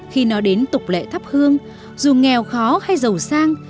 khi nói đến tục lệ thắp hương dù nghèo khó hay giàu sang